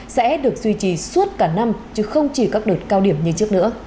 sẽ được duy trì suốt cả năm chứ không chỉ các đợt cao điểm như trước nữa